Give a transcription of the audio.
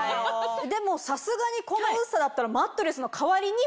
でもさすがにこの薄さだったら。